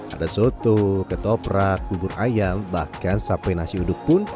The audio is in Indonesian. ada soto ketoprak bubur ayam bahkan sampai nasi uduk pun